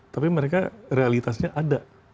tapi mereka realitasnya ada